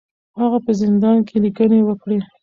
هغه په زندان کې لیکنې وکړې.